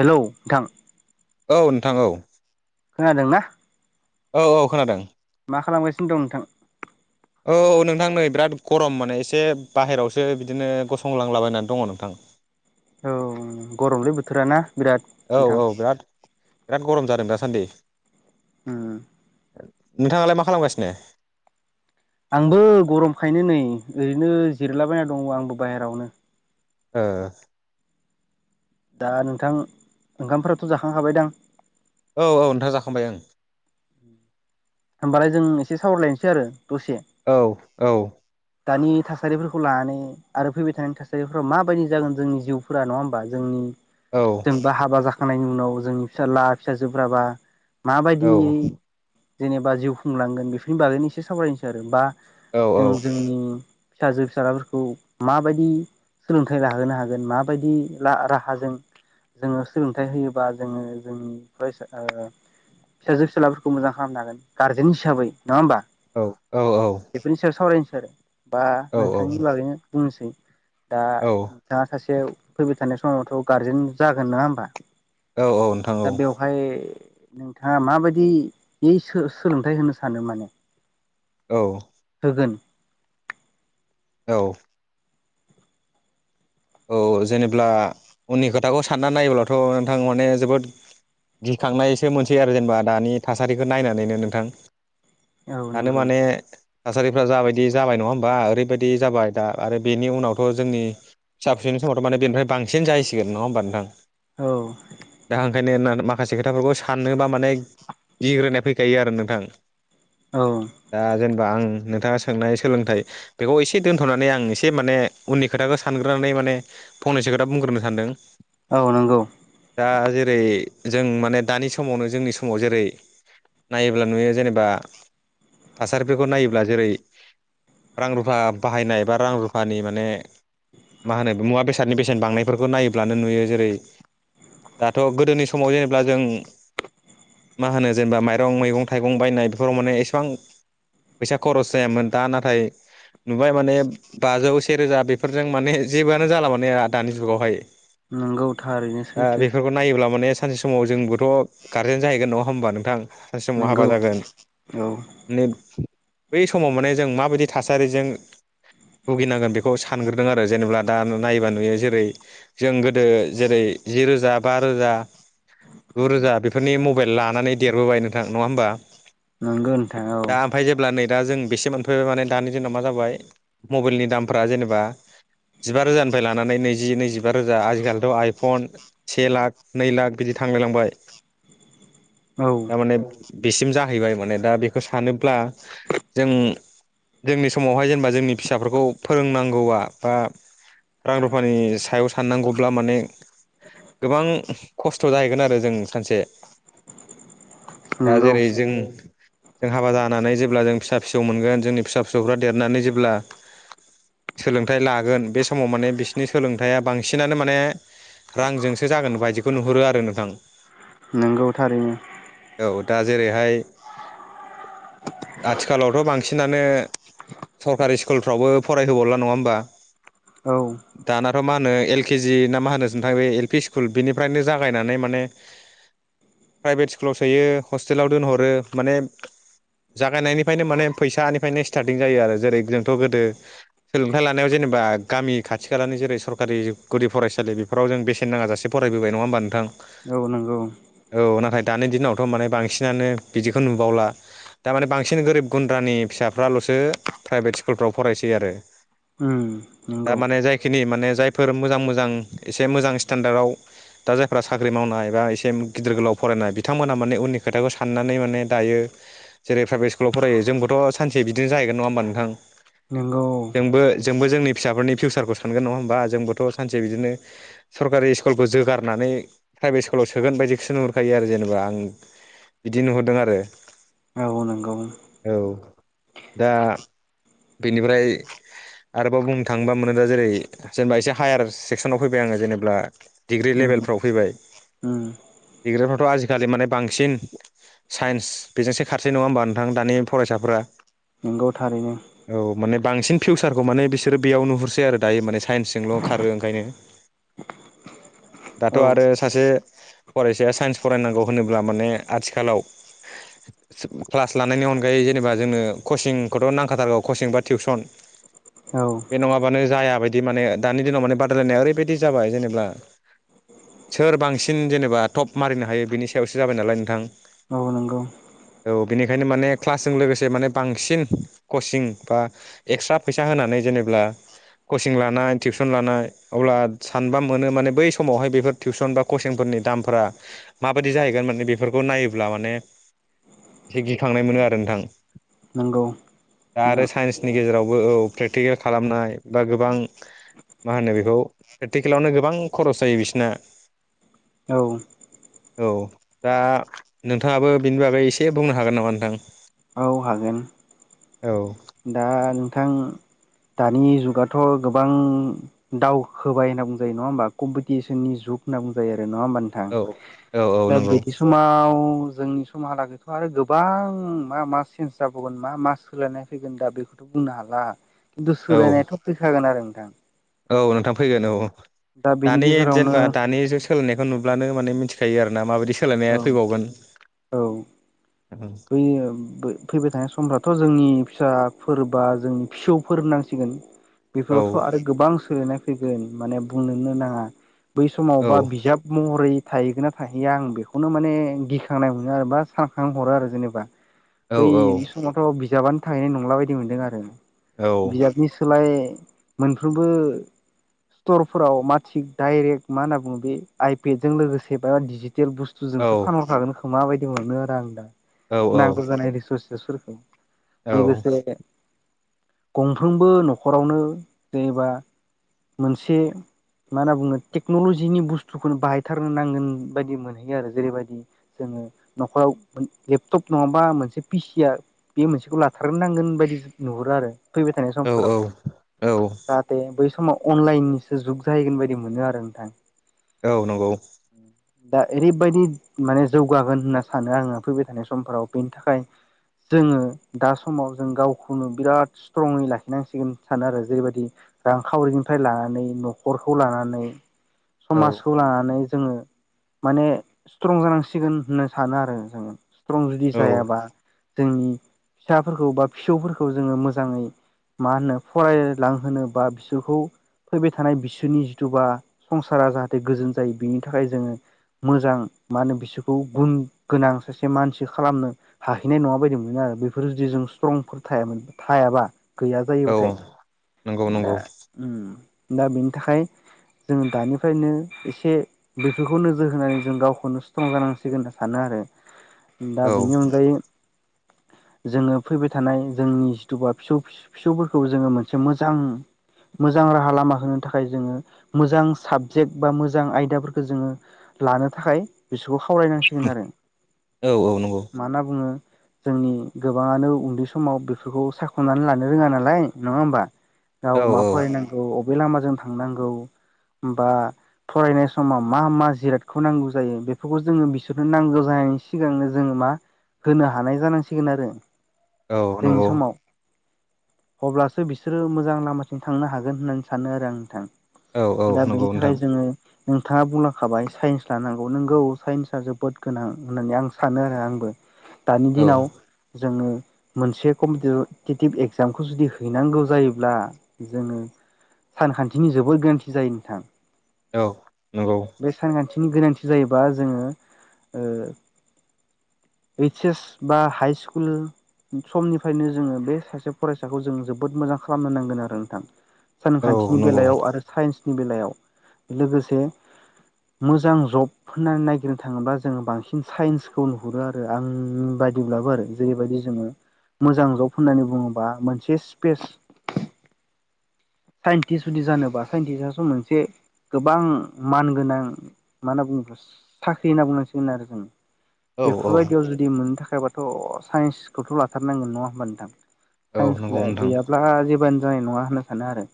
हेल' नोंथां। औ नोंथां औ। खोनादों ना? औ औ खोनादों। मा खालामगासिनो दं नोंथां? औ नोंथां नै बिराद गरम माने एसे बाहेरायावसो बिदिनो गसंलांला बायनानै दङ' नोंथां। औ गरमलै बोथोरा ना बिराद औ नोंथां? औ बिराद बिराद गरम जादों दासान्दि। उम। नोंथाङालाय मा खालामगासिनो? आंबो गरमखायनो नै ओरैनो जिरलाबायना दं आंबो बाहेरावनो। ओ। दा नोंथां ओंखामफोराथ' जाखां खाबायदां? औ औ नोंथां जाखांबाय ओं। होमबालाय जों एसे सावराय लायनोसै आरो। दसे औ औ। दानि थासारिफोरखौ लानानै आरो फैबाय थानाय थासारिफोराव माबायदि जागोन जोंनि जिउफोरा नङा होमबा जोंनि औ जोंबा हाबा जाखांनायनि उनाव जोंनि फिसाज्ला फिसाजोफ्राबा माबायदियै जेनेबा जिउ खुंलांगोन बेफोरनि बागैनो एसे सावरायनोसै आरो बा औ जों जोंनि फिसाजो फिसाज्लाफोरखौ माबायदि सोलोंथाइ लाहोनो हागोन माबायदि राहाजों जोङो सोलोंथाइ होयोबा जोङो जोंनि फरायसा फिसाजो फिसालाफोरखौ मोजां खालाम हागोन गारजेन हिसाबै नङा होमबा औ बेफोरनि सायाव सावरायनोसै बा नोंथांनि औ बागैनो बुंनोसै औ दा सासे फैबाय थानाय समावथ' गारजेन जागोन नङा होमबा औ औ नोंथां औ दा बेवहाय नोंथाङा माबायदि बे सोलोंथाइ होनो सानो माने औ। गोन औ। औ जेनेब्ला उननि खोथाखौ साननानै नायोब्लाथ नोंथां माने जोबोद गिखांनायसो मोनसै आरो जेनेबा दानि थासारिखौ नायनानैनो नोंथां। औ दानो नंगौ माने थासारिफ्रा जाबायदि जाबाय नङा होमबा ओरैबायदि जाबाय दा आरो बेनि उनावथ जोंनि फिसा फिसौनि समावथ माने बेनिफ्राय बांसिन जाहैसिगोन नङा होमबा नोंथां औ दा ओंखायनो मा माखासे खोथाफोरखौ साननोबा माने गिग्रोनाय फैखायो आरो नोंथां। औ। दा जेनेबा आं नोंथाङा सोंनाय सोलोंथाइ बेखौ एसे दोन्थनानै आं एसे माने उननि खोथाखौ सानगोन। नानै माने फंनैसो खोथा बुंग्रोनो सानदों औ नंगौ दा जेरै जों माने दानि समावनो जोंनि समाव जेरै नायोब्ला नुयो जेनेबा। थासारिफोरखौ नायोब्ला जेरै रां रुफा बाहायनाय बा रां रुफानि माने मा होनो मुवा बेसादनि बेसेन बांनायफोरखौ नायोब्लानो नुयो जेरै दाथ गोदोनि समाव जेनेबा जों मा होनो जेनेबा माइरं मैगं थाइगं बायनाय बेफोराव माने एसेबां फैसा खरस जायामोन दा नाथाय नुबाय माने बाजौ सेेरोजा बेफोरजों माने जेबो आनो जाला दानि जुगावहाय नंगौ थारैनो दा सैथो बेफोरखौ नायोब्ला माने सानसे समाव जोंबोथ गारजेन जाहैगोन नङा होमबा नोंथां सानसे समाव हाबा नंगौ जागोन औ माने बै समाव माने जों माबायदि थासारिजों भुगिनांगोन बेखौ सानग्रो आरो जेनेबा दा नायबा नुयो जेरै जों गोदो जेरै जि रोजा बा रोजा गुरोजा बेफोरनि मबाइल लानानै देरबोबाय नोंथां नङा होमबा नंगौ नोंथां औ। दा ओमफ्राय जेब्ला नै दा जों बेसे मोनफैबाय माने दानि दिनाव मा जाबाय मबाइलनि दामफ्रा जेनेबा। [inaudible] जिबा रोजानिफ्राय लानानै नैजि नैजिबा रोजा आजिखालिथ आइफन से लाख नै लाख बिदि थांला होलांबाय [inaudible] औ दा माने बेसिम जाहैबाय माने दा बेखौ सानोब्ला जों जोंनि समावहाय जेनेबा जोंनि फिसाफोरखौ फोरोंनांगौआ बा रां रुफानि सायाव साननांगौब्ला माने गोबां खस्थ जाहैगोन आरो जों सानसे दा नंगौ जेरै जों जों हाबा जानानै जेब्ला जों फिसा फिसौ मोनगोन जोंनि फिसा फिसौफ्रा देरनानै जेब्ला सोलोंथाइ लागोन बे समाव माने बिसिनि सोलोंथाइया बांसिनानो माने रांजोंसो जागोन बायदिखौ नुहुरो आरो नोंथां नंगौ थारैनो औ दा जेरैहाय आथिखालावथ' बांसिनानो सरकारि स्कुलफ्रावबो फरायहोबावला नङा होमबा? औ दानाथ' मा होनो एल के जि ना मा होनो नोंथां बे एल पि स्कुल बेनिफ्रायनो जागायनानै माने लांदां प्राइभेट स्कुलाव सोयो हस्टेलाव दोनहरो माने जागायनायनिफ्रायनो माने फैसानिफ्रायनो स्टार्टिं जायो आरो जेरै जोंथ' गोदो सोलोंथाय लानो जेनेबा गामि खाथि खालानि जेरै सरकारि गुदि फरायसालि बेफोराव जों बेसेन नाङा जासे फरायबोबाय नङा होम बा नोंथां? औ नंगौ। औ नाथाय दानि दिनावथ' माने बांसिनानो बिदिखौ नुबावला दा माने बांसिन गोरिब गुन्द्रानि फिसाफ्राल'सो प्राइभेट स्कुलफ्राव फरायसै आरो। उम दा नंगौ माने जायखिनि माने जायफोर मोजां मोजां एसे मोजां स्टेेनडार्डआव दा जायफ्रा साख्रि मावनाय बा एसे गिदिर गोलाव फरायनाय बिथांमोना माने उननि खोथाखौ साननानै माने दायो जेरै प्राइभेट स्कुलाव फरायो जोंबोथ' सानसे बिदिनो जाहैगोन नङा होमबा नोंथां? जोंबो [unintelligible] जोंबो जोंनि फिसाफोरनि फिउसारखौ सानगोन नङा होमबा जोंबोथ' सानसे बिदिनो सरकारि स्कुलखौ जोगारनानै नै प्राइभेट स्कुलाव सोगोन बायदिखौसो नुुरखायो आरो जेनेबा आं। बिदि नुहुरदों आरो। औ औ नंगौ औ दा बेनिफ्राय आरोबाव बुंनो थाङोबा मोनो जेरै जेनेबा एसे हायार सेक्सनाव फैबाय आङो जेनेब्ला डिग्रि लेभेलफ फ्राव फैबाय। ओ डिग्रिफ्राथ' आजिखालि माने बांसिन साइन्स बेजोंसो खारसै नङा होमबा नोंथां दानि फरायसाफोरा? नंगौ थारैनो। औ माने बांसिन फिउचार खौ माने बिसोरो बेयाव नुहुरसै आरो दायो माने साइन्सजोंल' खारो ओंखायनो। [unintelligible] दाथ' आरो सासे फरायसाया साइन्स फरायनांगौ होनोब्ला माने आथिखालाव क्लास लानायनि अनगायै जेनेबा जोंनो कचिंखौथ' नांखाथारगौ कचिं बा टिउसन। औ। बे नङाबानो जाया बायदि माने दानि दिनाव माने बादायलायनाया ओरैबायदि जाबाय जेनेब्ला सोर बांसिन जेनेबा टप मारिनो हायो बिनि सायावसो जाबाय नालाय नोंथां। नंगौ औ औ बेनिखायनो माने क्लासजों लोगोसे माने बांसिन कचिं बा एक्सट्रा फैसा होनानै जेनेब्ला कचिं लानाय टिउसन लानाय अब्ला सानबा मोनो माने बै समावहाय बेफोर टिउसन बा कचिंफोर नि दामफोरा माबादि जाहैगोन माने बेफोरखौ नायोब्ला माने एसे गिखांनाय मोनो आरो नोंथां नंगौ दा आरो नोंथां साइन्सनि गेजेराव ओ औ प्रेकटिकेल खालामनाय बा गोबां मा होनो बेखौ प्रेक्टिकेलावनो गोबां खरस जायो बिसिना। औ औ दा नोंथाङाबो बेनि बागै एसे बुंनो हागोन नामा नोंथां? औ हागोन। औ दा नोंथां दानि जुगाथ' गोबां दावखोबाय होनना बुंजायो नङा होमबा कम्पिटिसननि जुग जुग होनना बुंजायो आरो नङा होमबा नोंथां औ औ औ दा नंगौ बिदि समाव जोंनि समहालागैथ' आरो गोबां मा मा चेन्ज जाबावगोन मा मा सोलायनाय फैगोन दा बेखौथ' बुंनो हाला खिन्थु औ सोलायनायाथ' फैखागोन आरो नोंथां औ नोंथां फैगोन औ दा बेनि दानि गेजेरावनो जेनेबा दानि जु सोलोंनायखौ नुब्लानो माने मिथि खायो आरोना माबायदि औ सोलायनाया फैबावगोन औ बै ब फैबाय थानाय समफ्राथ' जोंनि फिसाफोर बा जोंनि फिसौफोर होनांसिगोन औ बेफोरावथ' आरो गोबां सोलायनाय फोगोन माने बुंनोनो नाङा बै समाव औ बा बिजाब महरै थाहैगोन ना थाहैया आं बेखौनो माने गिखांनाय मोनो आरो बा सानखां हरो आरो जेनेबा औ बै समावथ' बिजाबानो थाहैनाय नंला बायदि मोनदों आरो औ बिजाबनि सोलाय मोनफ्रोमबो स्टरफोराव माथिख डाइरेक्ट मा होनना बुङो बे आइपेदजों लोगोसे बा दिजे बुस्थु औ जोंसो फानहरखागोनखोमा बायदि मोनो आरो आं दा औ नांगौ जानाय रिसर्स फोरखौ लोगोसे गंफ्रोमबो न'खरावनो जेनेबा मोनसे मा होनना बुङो टेक्न'लजिनि बुस्थुखौनो बाहायथारनो नांगोन बायदि मोनहैयो आरो जेरैबायदि जों ङो न'खराव लेपटप नङाबा मोनसे पिसिया बे मोनसेखौ लाथारग्रोनांगोन बायदि नुहुरो आरो फैबाय थानाय औ समफोराव औ जाहाथे बै समाव अनलाइननिसो जुग जाहैगोन बायदि मोनो आरो नोंथां औ नंगौ दा ओरैबायदि माने जौगागोन होनना सानो आङो फैबाय थानाय समफोराव बेनि थाखाय जोङो दा समाव जों गावखौनो बिराद स्ट्रङै लाखिनांसिगोन सानो आरो जेरैबायदि रांखावरिनिफ्राय लानानै न'खरखौ लानानै औ समाजखौ लानानै जोङो माने स्ट्रं जानांसिगोन होननो सानो आरो जोङो स्ट्रं जुदि औ जायाबा जोंनि फिसाफोरखौ बा फिसौफोरखौ जोङो मोजाङै मा होनो फरायलांहोनोबा बिसोरखौ फैबाय थानाय बिसोरनि जिथुबा संसारा जाहाथे गोजोन जायो बिनि थाखाय जोङो मोजां मा होनो बिसोरखौ गुन गोनां सासे मानसि खालामनो हाहैनाय नङा बायदि मोनो आरो बेफोर जुदि जों स्ट्रंफोर थायामोन थायाबा गैया जायोब्लाथाय औ नंगौ दा नंगौ दा बेनि थाखाय जों दानिफ्रायनो एसे बेफोरखौ नोजोर होनानै जों गावखौनो स्ट्रं जानांसिगोन होनना सानो आरो दा औ बेनि अनगायै जोङो फैबाय थानाय जोंनि जिथुबा फिसौ फिसौफोरखौ जोङो मोनसे मोजां मोजां राहा लामा होनो थाखाय जोङो मोजां साबजेक्ट बा मोजां आयदाफोरखौ जोङो लानो थाखाय बिसोरखौ खावलायनांसिगोन आरो औ औ नंगौ ओ जोंनि गोबाङानो उन्दै समाव बेफोरखौ सायाख'नानै लानो रोङा नालाय नङा होमबा? गाव औ मा औ फरायनांगौ अबे लामाजों थांनांगौ बा फरायनाय समाव मा मा जिरादखौ नांगौ जायो बेफोरखौ जोङो बिसोरनो नांगौ जानायनि सिगांनो जोङो मा होनो हानाय जानांसिगोन आरो औ जोंनि नंगौ समाव अब्लासो बिसोरो मोजां लामाथिं थांनो हागोन होननानै सानो आरो आं नोंथां औ औ दा नंगौ बेनि थाखाय नोंथां जोङो नोंथाङा बुंलांखाबाय साइन्स लानांगौ नोंगौ साइन्सआ जोबोद गोनां होननानै आं सानो आरो आंबो दानि औ दिनाव जोङो मोनसे कम्पिटेटिभ एकजामखौ जुदि हैनांगौ जायोब्ला जोङो सानखान्थिनि जोबोर गोरोन्थि जायो नोंथां औ नंगौ नि गोनांथि जायोबा जोङो ओ ओइस एस बा हाइ स्कूल समनिफ्रायनो जोङो बे सासे फरायसाखौ जों जोबोद मोजां खालामनो नांगोन आरो नोंथां औ सानखान्थिनि नंगौ बेलायाव आरो साइन्स बेलायाव लोगोसे मोजां जब होननानै नायागिरनो थाङोब्ला जोङो बांसिन साइन्सखौ नुहुरो आरो आंनि बायदिब्लाबो आरो जेरैबायदि जोङो मोजां जब होननानै बुङोबा मोनसे स्पेस साइन्टिस्ट जुदि जानोबा साइन्टिस्टआथ' मोनसे गोबां मानगोनां मा होनना बुङो साख्रि होनना बुंनांसिगोन आरो जों औ औ बेफोरबायदियाव जुदि मोननो था खाय बाथ' साइन्सखौथ' लाथारनांगोन नङा होमबा नोंथां औ साइन्स नंगौ नोंथां गैयाब्ला जेबोआनो जानाय नङा होनना सानो आरो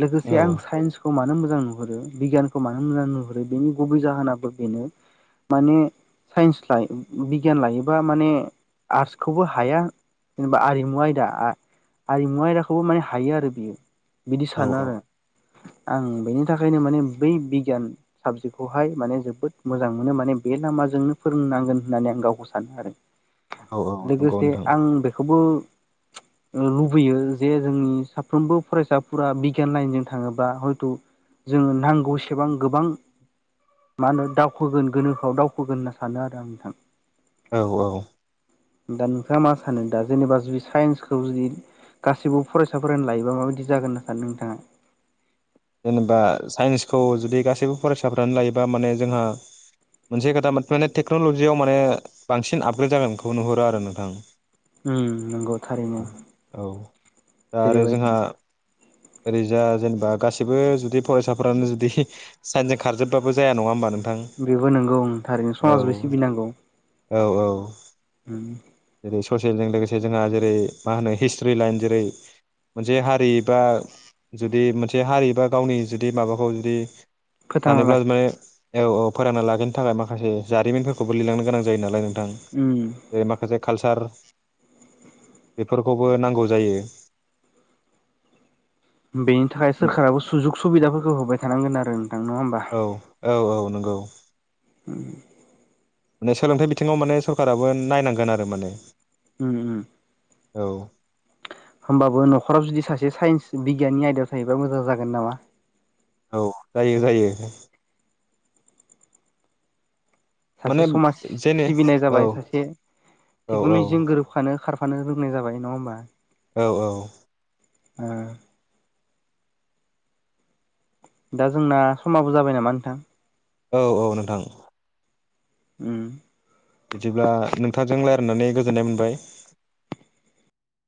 लोगोसे औ आं साइन्सखौ मानो मो जां नुहरो बिगियानखौ मानो मोजां नुहुरो बेनि गुबै जाहोनाबो बेनो माने साइन्स लाइ बिगियान लायोबा माने आर्टसखौबो हाया। जेनेबा आरिमु आयदा आ-आरिमु आयदाखौबो माने हायो आरो बियो। बिदि औ सानो आरो। आं बेनि थाखायनो माने बै बिगियान साबजेक्टखौहाय माने जोबोद मोजां मोनो माने बे लामाजोंनो फोरोंनांगोन होननानै आं गावखौ सानो आरो औ औ नंगौ लोगोसे नोंथां आं बे खौबो लुबैयो जे जोंनि साफ्रोमबो फरायसाफोरा बिगियान लाइनजों थाङोबा हयथ' जोङो नांगौसेबां गोबां मा होनो दावखोगोन गोनो आव दावखोगोन होनना सानो आरो आं नोंथां। औ औ दा नोंथाङा मा सानो दा जेनेबा जुदि साइन्सखौ जुदि गासैबो फरायसाफोरानो लायोबा माबायदि जागोन होनना सानो नोंथाङा? जेनेबा साइन्सखौ जुदि गासैबो फरायसाफ्रानो लायोबा माने जोंहा मोनसे खोथा माने टेक्न'लजियाव माने बांसिन आपग्रेड जागोन बेखौ नुहुरो आरो नोंथां। ओम नंगौ थारैनो औ दा आरो जोंहा जेरैबायदि ओरैजा जेनेबा गासि बो जुदि फरायसाफ्रानो जुदि साइन्सजों खारजोब्बाबो जाया नङा होमबा नों बेबो नंगौं ओं थारैनो समाजबो सिबिनांगौ। औ औ ओम ससियेलजों लोगोसे जोंहा जेरै- मा होनो हिस्ट्रि लाइन जेरै- मोनसे हारि बा जुदि मोनसे हारि बा गावनि जुदि माबाखौ जुदि फोथांना सानोब्ला लाखि माने औ औ फरायना लाखिनो थाखाय माखासे जारिमिनफोरखौबो लिरलांनो गोनां जायो नालाय नों थां उम बे माखासे कालचार बेफोरखौबो नांगौ जायो। बेनि थाखाय सोरखाराबो सुजुग सुबिदाफोरखौ होबाय थानांगोन आरो नङा होमबा औ औ औ नंगौ। ओम सोलोंथाइ बिथिङाव माने सरकाबो नायनांगोन आरो माने। ओम ओम औ होमबाबो न'खराव जुदि सासे साइन्स बिगियाननि आयदायाव थायोबा मोजां जागोन नामा? औ जायो जायो। माने सासे समाज जेने सिबिनाय औ जाबाय सासे औ टेक्न'लजिजों गोरोबखानो खार फानो रोंनाय जाबाय नङा होमबा? औ औ ओ दा जोंना समाबो जाबाय नामा नोंथां? औ औ नोंथां। ओम बिदिब्ला नोंथांजों रायज्लायनानै गोजोननाय मोनबाय।